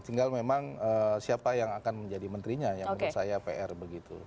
tinggal memang siapa yang akan menjadi menterinya yang menurut saya pr begitu